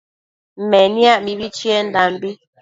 Meniac mibi chiendambi